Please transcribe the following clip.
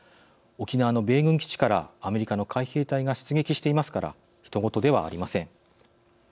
沖縄の米軍基地からアメリカの海兵隊が出撃していますからひと事ではありません。